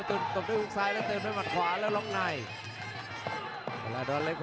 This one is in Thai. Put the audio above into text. ถูกเข้าไปถูกเข้าไปอีกแล้วครับ